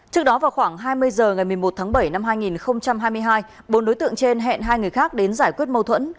trước đó vào khoảng hai mươi h ngày một mươi một tháng bảy năm hai nghìn hai mươi hai bốn đối tượng trên hẹn hai người khác đến giải quyết mâu thuẫn